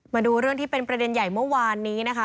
มาดูเรื่องที่เป็นประเด็นใหญ่เมื่อวานนี้นะคะ